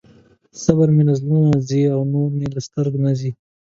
صبر مې له زړه نه ځي او نور مې له سترګې نه ځي.